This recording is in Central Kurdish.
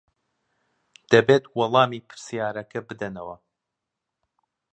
دەبێت وەڵامی پرسیارەکە بدەنەوە.